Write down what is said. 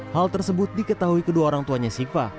hal tersebut diketahui kedua orang tuanya siva